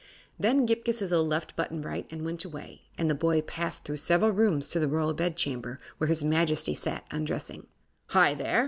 Then Ghip Ghisizzle left Button Bright and went away, and the boy passed through several rooms to the Royal Bedchamber, where his Majesty sat undressing. "Hi, there!